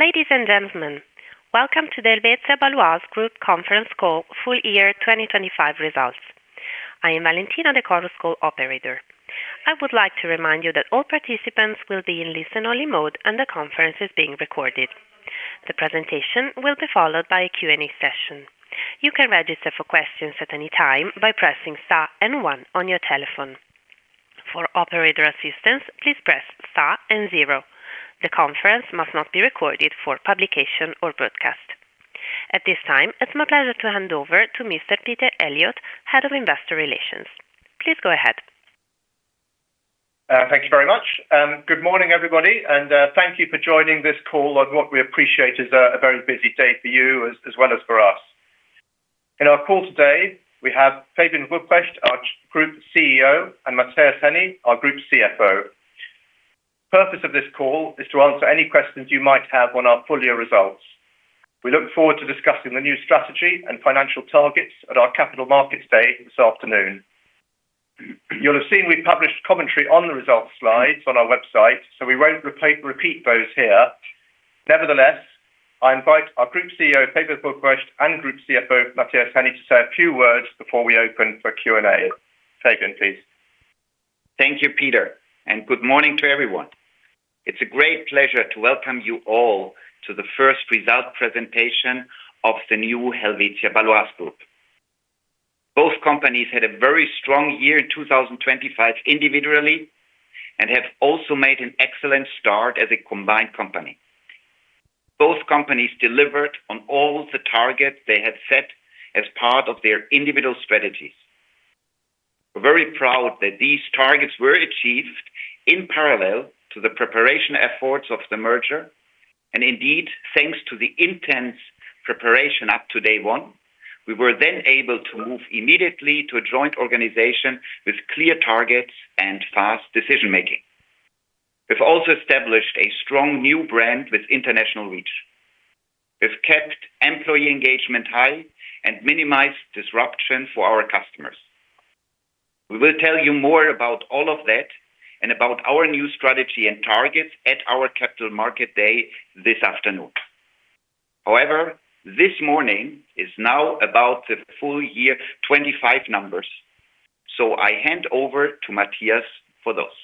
Ladies and gentlemen, welcome to the Helvetia Baloise Group conference call, full-year 2025 results. I am Valentina, the Chorus Call Operator. I would like to remind you that all participants will be in listen-only mode, and the conference is being recorded. The presentation will be followed by a Q&A session. You can register for questions at any time by pressing star and one on your telephone. For operator assistance, please press star and zero. The conference must not be recorded for publication or broadcast. At this time, it's my pleasure to hand over to Mr. Peter Eliot, Head of Investor Relations. Please go ahead. Thanks very much. Good morning, everybody, and thank you for joining this call on what we appreciate is a very busy day for you as well as for us. In our call today we have Fabian Rupprecht, our Group CEO, and Matthias Henny, our Group CFO. The purpose of this call is to answer any questions you might have on our full year results. We look forward to discussing the new strategy and financial targets at our Capital Market Day this afternoon. You'll have seen we published commentary on the results slides on our website, so we won't repeat those here. Nevertheless, I invite our Group CEO, Fabian Rupprecht, and Group CFO, Matthias Henny, to say a few words before we open for Q&A. Fabian, please. Thank you, Peter, and good morning to everyone. It's a great pleasure to welcome you all to the first result presentation of the new Helvetia Baloise Group. Both companies had a very strong year in 2025 individually, and have also made an excellent start as a combined company. Both companies delivered on all the targets they had set as part of their individual strategies. We're very proud that these targets were achieved in parallel to the preparation efforts of the merger, and indeed, thanks to the intense preparation up to day one, we were then able to move immediately to a joint organization with clear targets and fast decision-making. We've also established a strong new brand with international reach. We've kept employee engagement high and minimized disruption for our customers. We will tell you more about all of that and about our new strategy and targets at our Capital Market Day this afternoon. However, this morning is now about the full year 2025 numbers. I hand over to Matthias for those.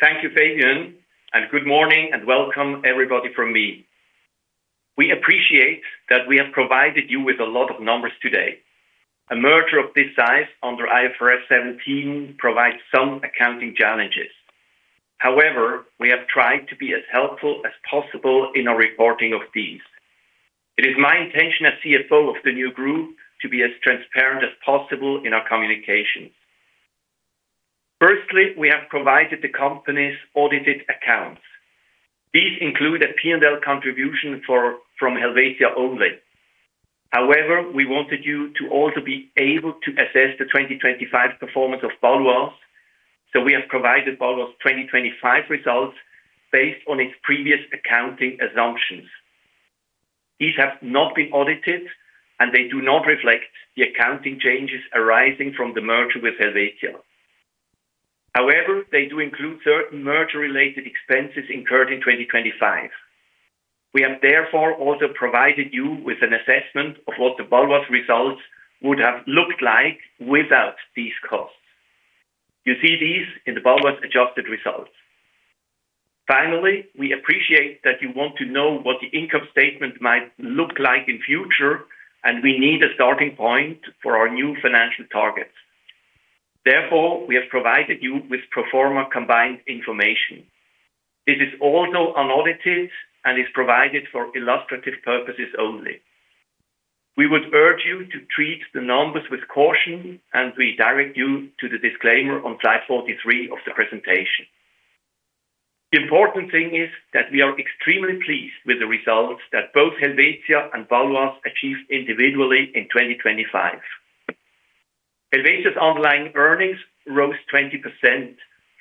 Thank you, Fabian, and good morning and welcome everybody from me. We appreciate that we have provided you with a lot of numbers today. A merger of this size under IFRS 17 provides some accounting challenges. However, we have tried to be as helpful as possible in our reporting of these. It is my intention as CFO of the new group to be as transparent as possible in our communications. Firstly, we have provided the company's audited accounts. These include a P&L contribution from Helvetia only. However, we wanted you to also be able to assess the 2025 performance of Baloise, so we have provided Baloise 2025 results based on its previous accounting assumptions. These have not been audited, and they do not reflect the accounting changes arising from the merger with Helvetia. However, they do include certain merger-related expenses incurred in 2025. We have therefore also provided you with an assessment of what the Baloise results would have looked like without these costs. You see these in the Baloise adjusted results. Finally, we appreciate that you want to know what the income statement might look like in future, and we need a starting point for our new financial targets. Therefore, we have provided you with pro forma combined information. This is also unaudited and is provided for illustrative purposes only. We would urge you to treat the numbers with caution and we direct you to the disclaimer on slide 43 of the presentation. The important thing is that we are extremely pleased with the results that both Helvetia and Baloise achieved individually in 2025. Helvetia's underlying earnings rose 20%,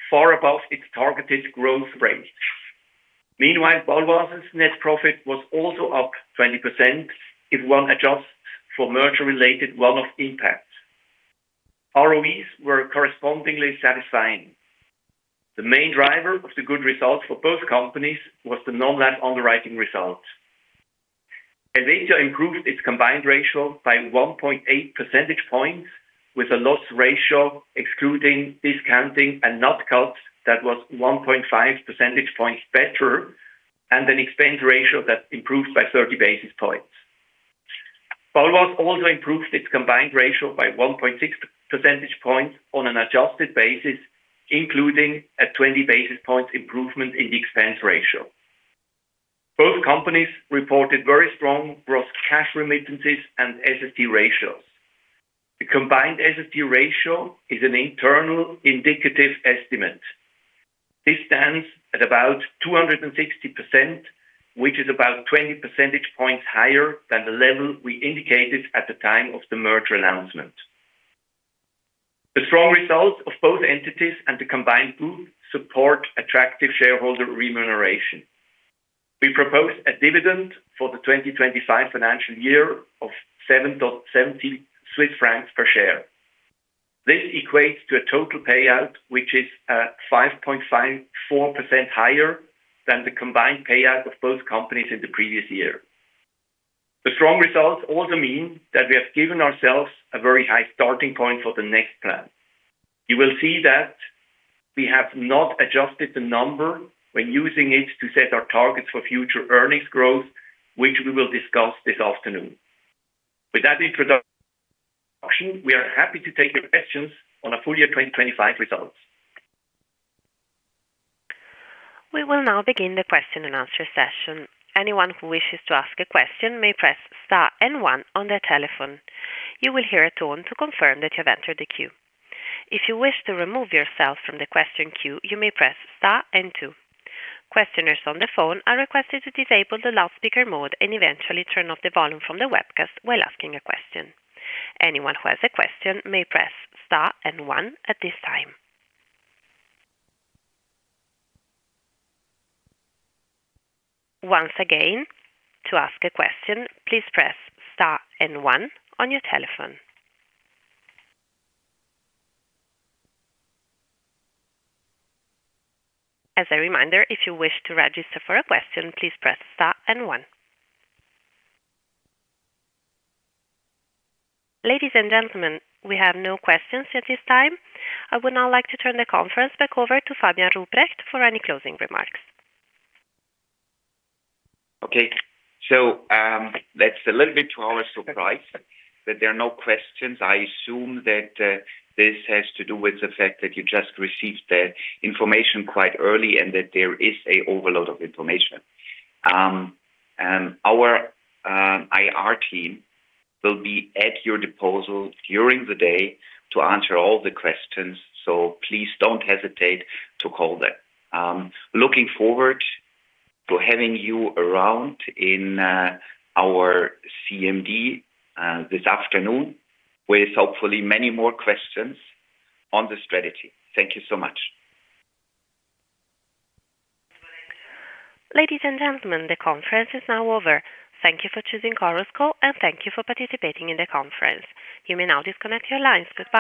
far above its targeted growth rate. Meanwhile, Baloise's net profit was also up 20%, if one adjusts for merger-related one-off impacts. ROEs were correspondingly satisfying. The main driver of the good results for both companies was the non-life underwriting result. Helvetia improved its combined ratio by 1.8 percentage points with a loss ratio excluding discounting and nat cats that was 1.5 percentage points better and an expense ratio that improved by 30 basis points. Baloise also improved its combined ratio by 1.6 percentage points on an adjusted basis, including a 20-basis points improvement in the expense ratio. Both companies reported very strong gross cash remittances and SST ratios. The combined SST ratio is an internal indicative estimate. This stands at about 260%, which is about 20 percentage points higher than the level we indicated at the time of the merger announcement. The strong results of both entities and the combined group support attractive shareholder remuneration. We propose a dividend for the 2025 financial year of 7.70 Swiss francs per share. This equates to a total payout, which is 5.54% higher than the combined payout of both companies in the previous year. The strong results also mean that we have given ourselves a very high starting point for the next plan. You will see that we have not adjusted the number when using it to set our targets for future earnings growth, which we will discuss this afternoon. With that introduction, we are happy to take your questions on our full-year 2025 results. We will now begin the question-and-answer session. Anyone who wishes to ask a question may press star and one on their telephone. You will hear a tone to confirm that you've entered the queue. If you wish to remove yourself from the question queue, you may press star and two. Questioners on the phone are requested to disable the loudspeaker mode and eventually turn off the volume from the webcast while asking a question. Anyone who has a question may press star and one at this time. Once again, to ask a question, please press star and one on your telephone. As a reminder, if you wish to register for a question, please press star and one. Ladies and gentlemen, we have no questions at this time. I would now like to turn the conference back over to Fabian Rupprecht for any closing remarks. Okay. That's a little bit to our surprise that there are no questions. I assume that this has to do with the fact that you just received the information quite early and that there is an overload of information. Our IR team will be at your disposal during the day to answer all the questions, so please don't hesitate to call them. Looking forward to having you around in our CMD this afternoon with hopefully many more questions on the strategy. Thank you so much. Ladies and gentlemen, the conference is now over. Thank you for choosing Chorus Call and thank you for participating in the conference. You may now disconnect your lines. Goodbye.